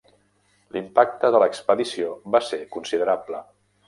L'impacte de l'expedició va ser considerable.